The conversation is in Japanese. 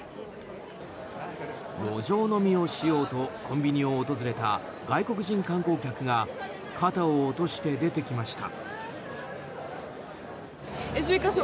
路上飲みをしようとコンビニを訪れた外国人観光客が肩を落として出てきました。